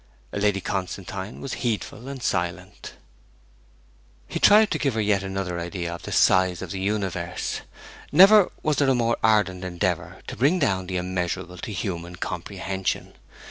Lady Constantine was heedful and silent. He tried to give her yet another idea of the size of the universe; never was there a more ardent endeavour to bring down the immeasurable to human comprehension!